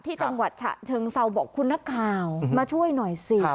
จังหวัดฉะเชิงเซาบอกคุณนักข่าวมาช่วยหน่อยสิ